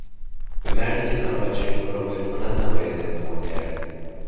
به مردی که زن و بچهی خود را ول کند نباید اعتماد کرد.